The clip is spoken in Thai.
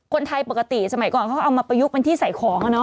คนไทยปกติสมัยก่อนเขาก็เอามาประยุกต์เป็นที่ใส่ของ